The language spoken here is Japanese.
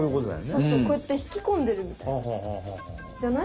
そうそうこうやって引き込んでるみたい。じゃない？